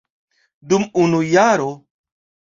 Dum unu jaro.